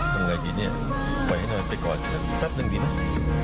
ทำไรอย่างนี้เนี่ยไว้ให้หน่อยไปก่อนสักสักนึงดีเหรอ